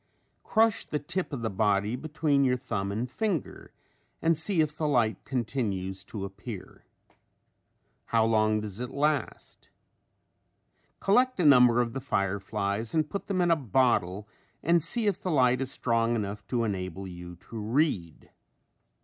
Crush the tip of the body between your thumb and finger and see if the light continues to appear. How long does it last? Collect a number of the fireflies and put them in a bottle and see if the light is strong enough to enable you to read.